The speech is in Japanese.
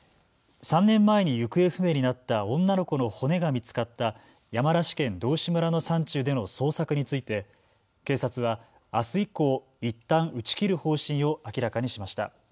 ３年前に行方不明になった女の子の骨が見つかった山梨県道志村の山中での捜索について警察はあす以降、いったん打ち切る方針を明らかにしました。